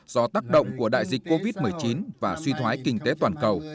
do tác động của đại dịch covid một mươi chín và suy thoái kinh tế toàn cầu